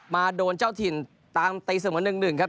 มาโดนเจ้าถิ่นตามต่อที่สมทนึงครับ